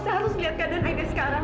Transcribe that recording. saya harus liat keadaan aida sekarang